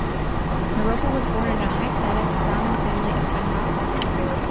Naropa was born in a high status Brahmin family of Bengal.